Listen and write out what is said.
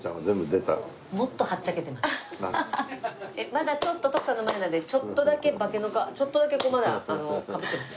まだちょっと徳さんの前なのでちょっとだけ化けの皮ちょっとだけまだかぶってます。